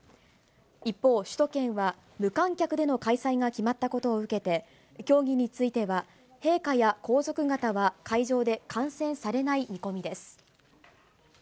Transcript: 一方、首都圏は無観客での開催が決まったことを受けて、競技については、陛下や皇族方は会場で観戦されない見込みです。